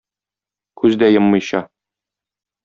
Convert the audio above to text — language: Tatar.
Күз дә йоммыйча.